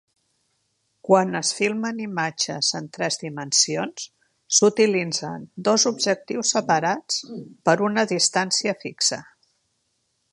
Quan es filmen imatges en tres dimensions s'utilitzen dos objectius separats per una distància fixa.